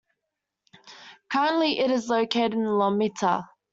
Currently it is located in Lomita.